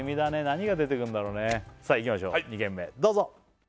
何が出てくるんだろうねさあいきましょう２軒目どうぞ！